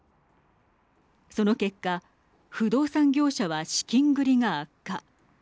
その結果不動産業者は資金繰りが悪化。